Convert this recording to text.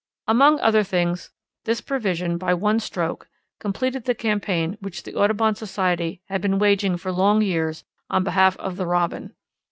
Among other things this provision, by one stroke, completed the campaign which the Audubon Society had been waging for long years on behalf of the Robin.